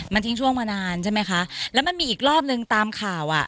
มันทิ้งช่วงมานานใช่ไหมคะแล้วมันมีอีกรอบนึงตามข่าวอ่ะ